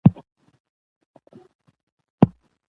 افغانستان د رسوب د ترویج لپاره پوره پروګرامونه لري.